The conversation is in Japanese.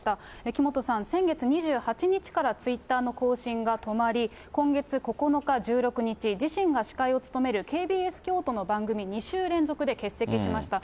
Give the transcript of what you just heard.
木本さん、先月２８日からツイッターの更新が止まり、今月９日、１６日、自身が司会を務めるＫＢＳ京都の番組を２週連続で欠席しました。